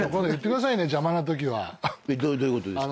どういうことですか？